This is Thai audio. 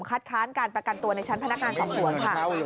คัดค้านการประกันตัวในชั้นพนักการกลางสมศจรค่ะ